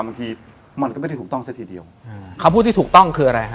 บางทีมันก็ไม่ได้ถูกต้องซะทีเดียวอืมคำพูดที่ถูกต้องคืออะไรฮะ